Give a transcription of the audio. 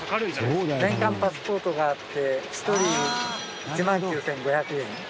年間パスポートがあって１人１万９５００円。